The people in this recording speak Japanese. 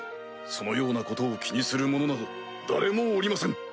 そのようなことを気にする者など誰もおりません。